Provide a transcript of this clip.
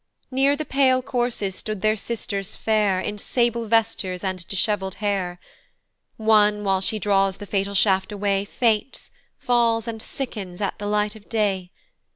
Near the pale corses stood their sisters fair In sable vestures and dishevell'd hair; One, while she draws the fatal shaft away, Faints, falls, and sickens at the light of day.